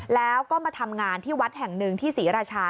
แล้วก็มาทำงานที่วัดแห่งหนึ่งที่ศรีราชา